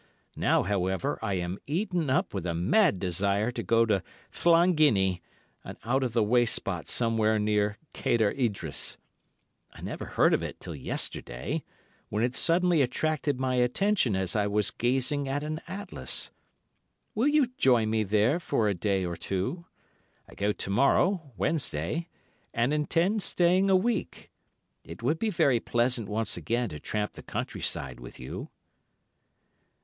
Now, however, I am eaten up with a mad desire to go to Llanginney, an out of the way spot somewhere near Cader Idris. I never heard of it till yesterday, when it suddenly attracted my attention as I was gazing at an atlas. Will you join me there for a day or two? I go to morrow (Wednesday), and intend staying a week. It would be very pleasant once again to tramp the country side with you....